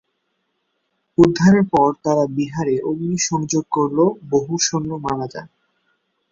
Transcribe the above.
উদ্ধারের পর তারা বিহারে অগ্নিসংযোগ করলে বহু সৈন্য মারা যান।